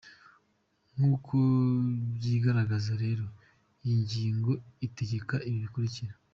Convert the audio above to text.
Nk’uko byigaragaza rero iyi ngingo itegeka ibi bikurikira :